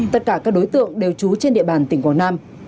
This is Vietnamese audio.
tất cả các đối tượng đều trú trên địa bàn tỉnh quảng nam